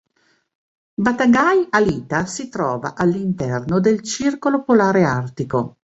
Batagaj-Alyta si trova all'interno del circolo polare artico.